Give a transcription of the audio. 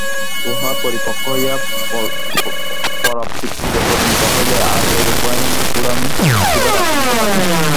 উহা পরিপক্ব হইয়া পরাভক্তিতে পরিণত হইলে আর এরূপ ভয়ানক গোঁড়ামি আসিবার আশঙ্কা থাকে না।